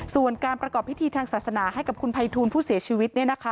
ส่วนการประกอบพิธีทางศาสนาให้กับคุณภัยทูลผู้เสียชีวิต